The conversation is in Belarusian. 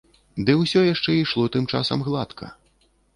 Ды ўсё яшчэ ішло тым часам гладка.